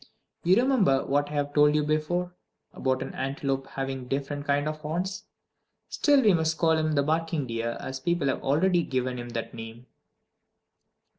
You remember what I have told you before, about an antelope having a different kind of horns? Still we must call him the barking deer, as people have already given him that name.